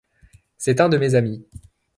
C’est un de mes amis.